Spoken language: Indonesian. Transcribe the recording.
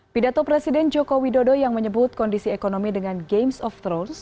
pidato presiden joko widodo yang menyebut kondisi ekonomi dengan games of thrones